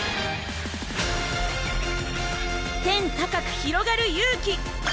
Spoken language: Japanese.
天高くひろがる勇気！